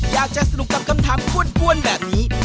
อยากจะสนุกกับคำถามอ้วนแบบนี้